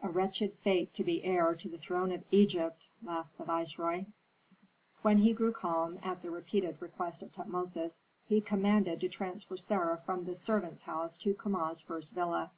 A wretched fate to be heir to the throne of Egypt!" laughed the viceroy. When he grew calm, at the repeated request of Tutmosis, he commanded to transfer Sarah from the servants' house to Kama's first villa.